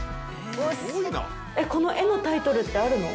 この絵のタイトルってあるの？